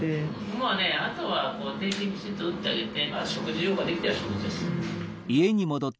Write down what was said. まあねあとは点滴きちっと打ってあげて食事療法ができていれば十分です。